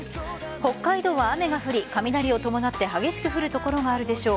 北海道は雨が降り雷を伴って激しく降る所があるでしょう。